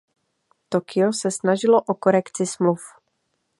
Tokio se snažilo o korekci smluv.